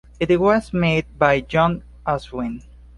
It was made by John Ashwin.